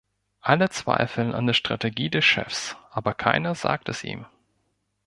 Alle zweifeln an der Strategie des Chefs, aber keiner sagt es ihm.